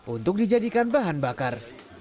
untuk dijadikan bahan bakar